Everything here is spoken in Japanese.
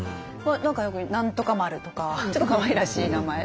よく「何とか丸」とかちょっとかわいらしい名前。